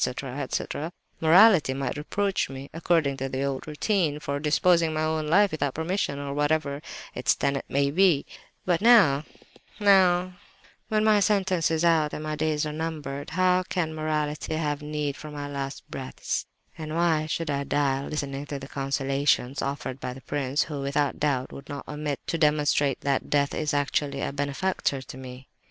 etc.—morality might reproach me, according to the old routine, for disposing of my life without permission—or whatever its tenet may be. But now, now, when my sentence is out and my days numbered! How can morality have need of my last breaths, and why should I die listening to the consolations offered by the prince, who, without doubt, would not omit to demonstrate that death is actually a benefactor to me?